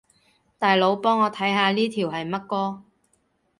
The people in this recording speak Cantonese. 大佬，幫我看下呢條係乜歌